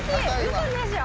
嘘でしょ？